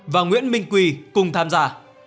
và nguyễn minh quỳ cùng tham gia